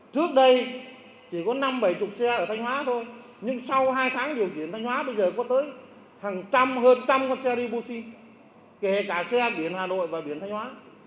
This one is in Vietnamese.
trước đây chỉ có năm bảy mươi xe ở thanh hóa thôi nhưng sau hai tháng điều chuyển thanh hóa bây giờ có tới hơn một trăm linh con xe đi buxi kể cả xe biển hà nội và biển thanh hóa